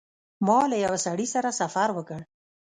ما له یوه سړي سره سفر وکړ.